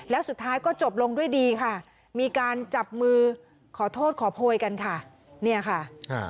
แล้วสุดท้ายก็จบลงด้วยดีค่ะมีการจับมือขอโทษขอโพยกันค่ะเนี่ยค่ะ